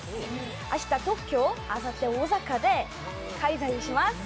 明日東京、あさって大阪で開催します。